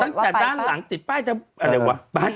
ตั้งแต่ด้านหลังติดป้ายจะอะไรวะ